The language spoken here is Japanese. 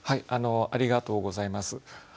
ありがとうございます。